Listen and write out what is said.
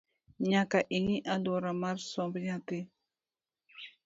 Nyaka ing’i aluora mar somb nyathi